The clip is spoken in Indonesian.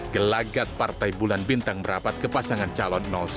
gelagat partai bulan bintang berapat ke pasangan calon satu